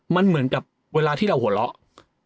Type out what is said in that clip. มันเหมือนกับเวลาที่เราหัวเราะ